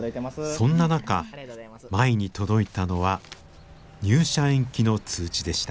そんな中舞に届いたのは入社延期の通知でした。